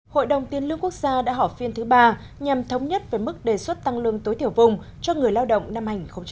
hội đồng tiền lương quốc gia đã họp phiên thứ ba nhằm thống nhất với mức đề xuất tăng lương tối thiểu vùng cho người lao động năm hai nghìn hai mươi